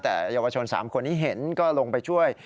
แต่เยาวชน๓คนนี้เห็นก็ลงไปช่วย